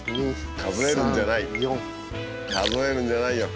数えるんじゃないよ。